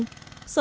sở tài nguyên